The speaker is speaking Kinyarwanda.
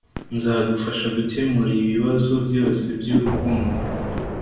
nzagufasha gukemura ibibazo byose byurukundo